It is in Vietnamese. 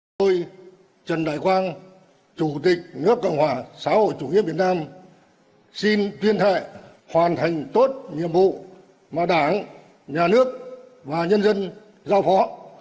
tôi trần đại quang chủ tịch nước cộng hòa xã hội chủ nghĩa việt nam xin tuyên thệ hoàn thành tốt nhiệm vụ mà đảng nhà nước và nhân dân giao phó